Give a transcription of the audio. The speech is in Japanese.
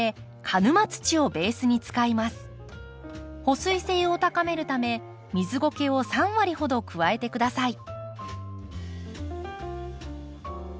保水性を高めるため水ごけを３割ほど加えて下さい。